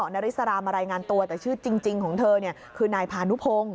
นาริสรามารายงานตัวแต่ชื่อจริงของเธอคือนายพานุพงศ์